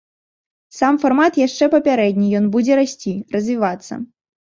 Сам фармат яшчэ папярэдні, ён будзе расці, развівацца.